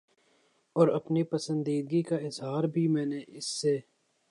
اور اپنی پسندیدگی کا اظہار بھی میں نے اس سے